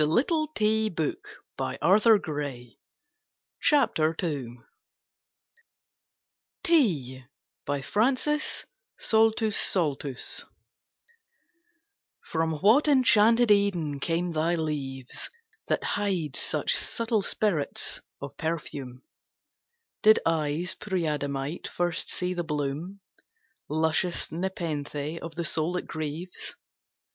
[Illustration of Dr. Johnson's chair] TEA By FRANCIS SALTUS SALTUS From what enchanted Eden came thy leaves That hide such subtle spirits of perfume? Did eyes preadamite first see the bloom, Luscious nepenthe of the soul that grieves?